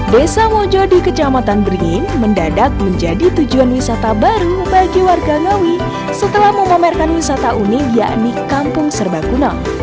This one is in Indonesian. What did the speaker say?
desa mojo di kecamatan beringin mendadak menjadi tujuan wisata baru bagi warga ngawi setelah memamerkan wisata unik yakni kampung serba kuno